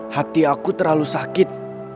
hati aku terlalu sakit